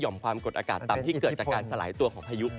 ความกดอากาศต่ำที่เกิดจากการสลายตัวของพายุ